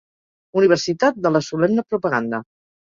Universitat de la Solemne Propaganda.